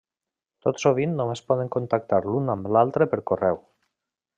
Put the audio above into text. Tot sovint només poden contactar l'un amb l'altre per correu.